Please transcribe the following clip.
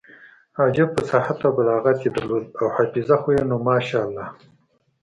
عجب فصاحت او بلاغت يې درلود او حافظه خو يې نو ماشاالله.